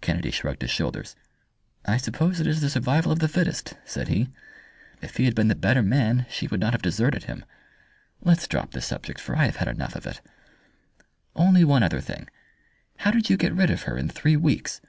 Kennedy shrugged his shoulders. "I suppose it is the survival of the fittest," said he. "If he had been the better man she would not have deserted him. Let's drop the subject, for I have had enough of it!" "Only one other thing. How did you get rid of her in three weeks?"